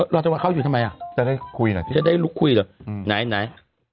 รอจำว่าเขาอยู่ทำไมอะจะได้คุยหน่อยจะได้ลุกคุยหน่อยไหน